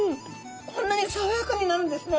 こんなにさわやかになるんですね。